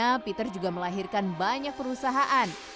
lewat tangannya peter juga melahirkan banyak perusahaan